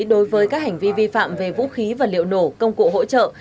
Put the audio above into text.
đối với các hành vi vi phạm về vũ khí vật liệu nổ công cụ hỗ trợ